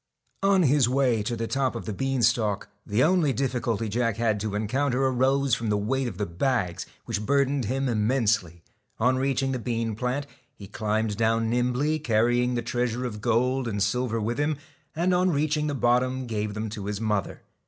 On his way to the top of the bean stalk, the only difficulty Jack had to encounter arose from the weight of the bags, which burdened him im mensely. On reaching the bean plant, he climbed down nimbly, carrying the treasure of gold and silver with him, and on reaching the bottom gave them to his mother.